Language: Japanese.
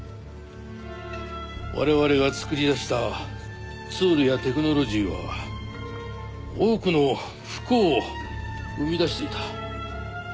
我々が作り出したツールやテクノロジーは多くの不幸を生み出していた。